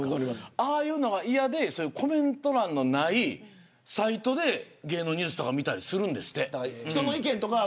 ああいうのが嫌でコメント欄がないサイトで芸能ニュースを見たりするんですって。